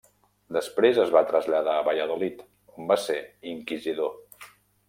Després es va traslladar a Valladolid, on va ser inquisidor.